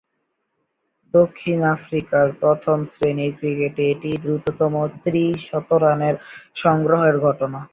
দক্ষিণ আফ্রিকার প্রথম-শ্রেণীর ক্রিকেটে এটিই দ্রুততম ত্রি-শতরানের সংগ্রহের ঘটনা।